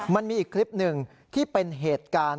มันมีอีกคลิปหนึ่งที่เป็นเหตุการณ์